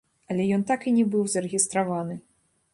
Але ён так і не быў зарэгістраваны.